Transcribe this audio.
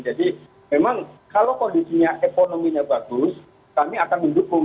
jadi memang kalau kondisinya ekonominya bagus kami akan mendukung